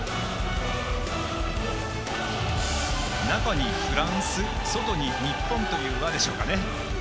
中にフランス、外に日本という輪でしょうかね。